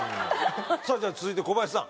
さあじゃあ続いてコバヤシさん。